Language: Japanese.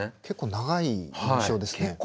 結構長い印象ですね。